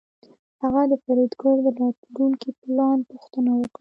هغه د فریدګل د راتلونکي پلان پوښتنه وکړه